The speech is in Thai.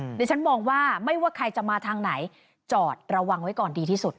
ดิฉันมองว่าไม่ว่าใครจะมาทางไหนจอดระวังไว้ก่อนดีที่สุด